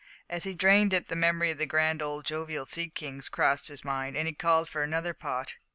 As he drained it the memory of grand old jovial sea kings crossed his mind, and he called for another pot.